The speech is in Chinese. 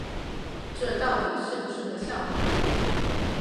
这到底是不是个笑话